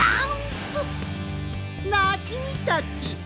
なあきみたち！